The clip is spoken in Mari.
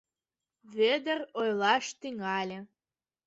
Вӧдыр ойлаш тӱҥале.